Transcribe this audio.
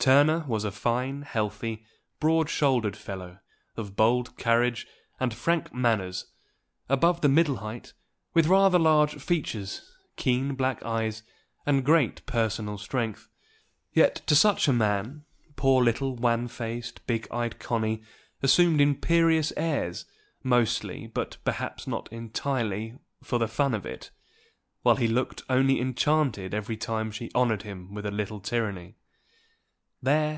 Turner was a fine, healthy, broad shouldered fellow, of bold carriage and frank manners, above the middle height, with rather large features, keen black eyes, and great personal strength. Yet to such a man, poor little wan faced, big eyed Connie assumed imperious airs, mostly, but perhaps not entirely, for the fun of it; while he looked only enchanted every time she honored him with a little tyranny. "There!